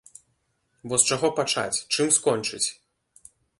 Бо з чаго пачаць, чым скончыць?!